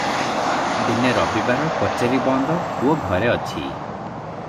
ଦିନେ ରବିବାର, କଚେରି ବନ୍ଦ, ପୁଅ ଘରେ ଅଛି ।